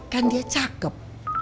kan dia cakep